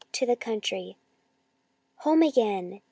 TO THE COUNTRY Home again